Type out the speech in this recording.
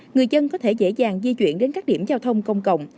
người dân có thể dễ dàng di chuyển đến các điểm giao thông công cộng